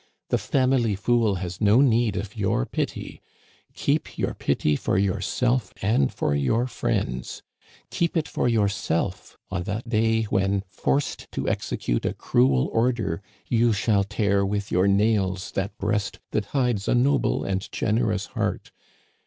The family fool has no need of your pity ! Keep your pity for yourself and for your friends ! Keep it for yourself on that day when, forced to execute a cruel order, you shall tear with your nails that bieast that hides a noble and generous heart